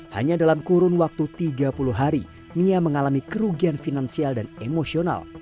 hanya dalam kurun waktu tiga puluh hari mia mengalami kerugian finansial dan emosional